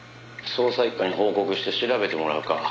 「捜査一課に報告して調べてもらうか」